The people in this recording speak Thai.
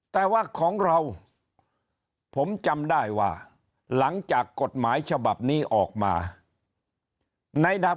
แต่ว่าของเราผมจำได้ว่าหลังจากกฎหมายฉบับนี้ออกมาในดับ